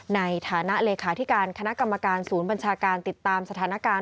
ในฐานะเลขาธิการคณะกรรมการศูนย์บัญชาการติดตามสถานการณ์